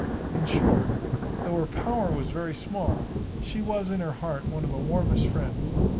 In short, though her power was very small, she was in her heart one of the warmest friends.